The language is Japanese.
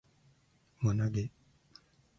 輪投げ